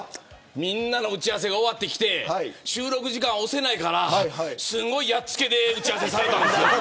みんなが打ち合わせ終わって来て、収録時間が押せないからすごいやっつけで打ち合わせしてるんですよ。